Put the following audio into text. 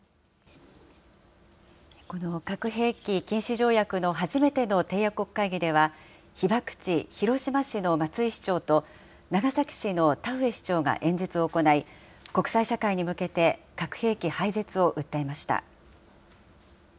この核兵器禁止条約の初めての締約国会議では、被爆地、広島市の松井市長と、長崎市の田上市長が演説を行い、国際社会に向けて、核兵器廃絶を訴えました。